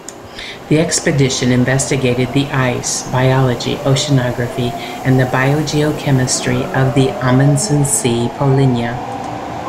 The expedition investigated the ice, biology, oceanography, and biogeochemistry of the Amundsen Sea Polynya.